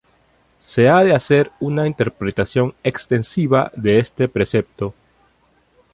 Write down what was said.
Se ha de hacer una interpretación extensiva de este precepto.